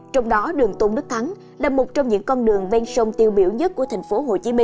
trong đó đường tôn đức thắng là một trong những con đường ven sông tiêu biểu nhất của tp hcm